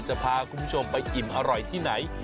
จะพาคุณผู้ชมไปอิ่มอร่อยที่ไหน